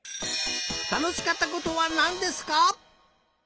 「たのしかったことはなんですか？」。